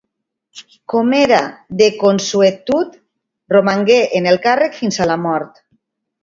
Com era de consuetud, romangué en el càrrec fins a la mort.